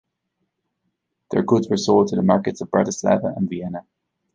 Their goods were sold to the markets of Bratislava and Vienna.